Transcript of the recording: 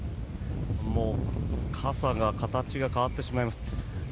もう、傘が形が変わってしまいました。